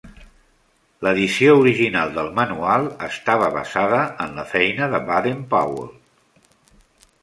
L'edició original del manual estava basada en la feina de Baden-Powell.